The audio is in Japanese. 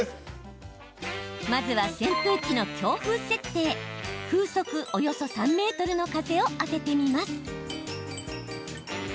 まずは、扇風機の強風設定風速およそ３メートルの風を当ててみます。